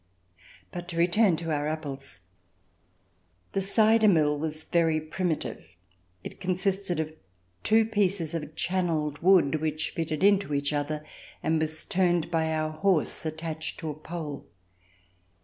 But to return to our apples. The cider mill was very primitive. It consisted of two pieces of channelled wood which fitted into each other, and was turned by our horse attached to a pole.